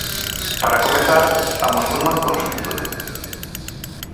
Para comezar, estamos nunha conxuntura.